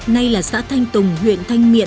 nay là xã thanh tùng huyện thanh miện